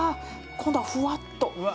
今度はふわっと。